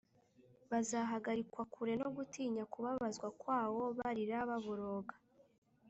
bazahagarikwa kure no gutinya kubabazwa kwawo, barira baboroga